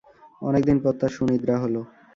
অনেক দিন পর তাঁর সুনিদ্রা হল।